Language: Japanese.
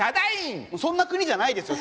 そんな国じゃないですよ